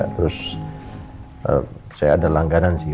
terus saya ada langganan sih